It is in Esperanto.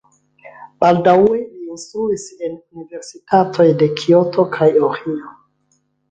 Baldaŭe li instruis en universitatoj de Kioto kaj Ohio.